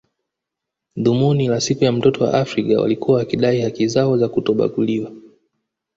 Dhumuni la siku ya mtoto wa Afrika walikuwa wakidai haki zao za kutobaguliwa